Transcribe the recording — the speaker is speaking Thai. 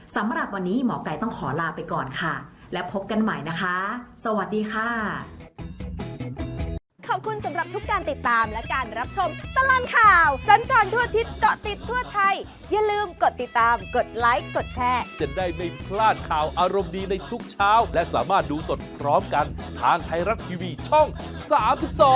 สำหรับวันนี้หมอไก่ต้องขอลาไปก่อนค่ะและพบกันใหม่นะคะสวัสดีค่ะ